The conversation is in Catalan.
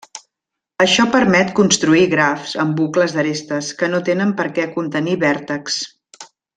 Això permet construir grafs amb bucles d'arestes, que no tenen per què contenir vèrtexs.